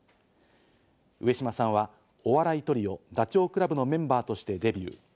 上島さんはお笑いトリオ、ダチョウ倶楽部のメンバーとしてデビュー。